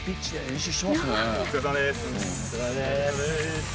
お疲れさまです。